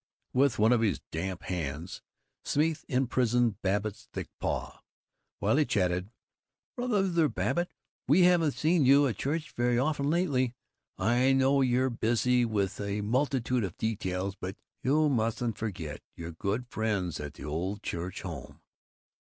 With one of his damp hands Smeeth imprisoned Babbitt's thick paw while he chanted, "Brother Babbitt, we haven't seen you at church very often lately. I know you're busy with a multitude of details, but you mustn't forget your dear friends at the old church home."